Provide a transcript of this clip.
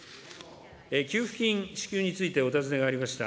給付金支給についてお尋ねがありました。